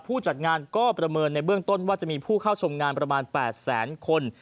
ผู้จัดงานก็ประเมินในเบื้องต้นว่าจะมีผู้เข้าชมงานประมาณ๘แสนคน